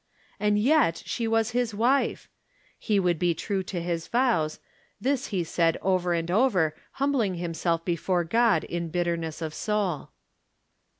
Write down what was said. And yet she was his wife ! He would be true to his vows. This he said over and over, humbling himself before God in bitter ness of soul.